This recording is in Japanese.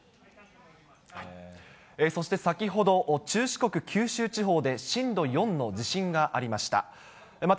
そして先ほど中四国、九州地方で震度４の地震がありました。